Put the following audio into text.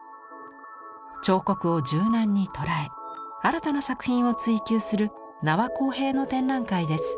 彫刻を柔軟に捉え新たな作品を追求する名和晃平の展覧会です。